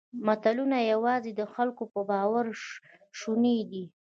ملتونه یواځې د خلکو په باور شوني دي.